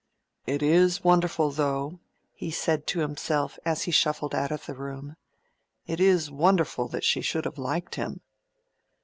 "It is wonderful, though," he said to himself as he shuffled out of the room—"it is wonderful that she should have liked him.